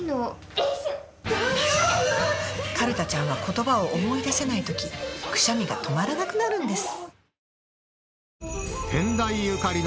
大丈夫⁉かるたちゃんは言葉を思い出せない時くしゃみが止まらなくなるんです